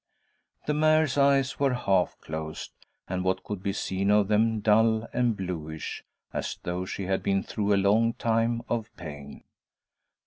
The mare's eyes were half closed, and what could be seen of them dull and blueish, as though she had been through a long time of pain.